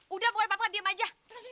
udah pokoknya bapak diam aja